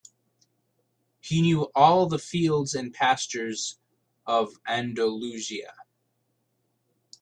He knew all the fields and pastures of Andalusia.